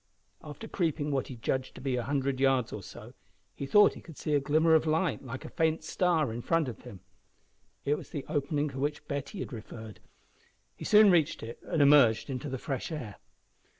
After creeping what he judged to be a hundred yards or so, he thought he could see a glimmer of light like a faint star in front of him. It was the opening to which Betty had referred. He soon reached it and emerged into the fresh air.